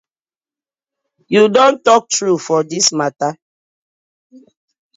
Yu don tok true for dis matter.